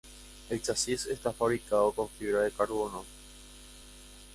El Chasis está fabricado con fibra de carbono.